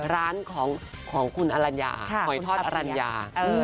ร้านของคุณอลัญญาหอยทอดอรัญญา